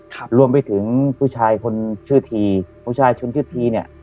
ครับรวมไปถึงผู้ชายคนชื่อทีผู้ชายชุนชื่อทีเนี้ย